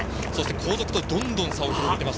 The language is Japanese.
後続とどんどん差を広げています。